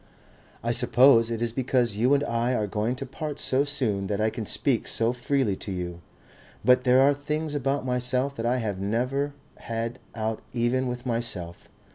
"I suppose it is because you and I are going to part so soon that I can speak so freely to you.... But there are things about myself that I have never had out even with myself.